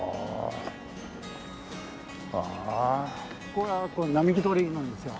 ここが並木通りなんですよ。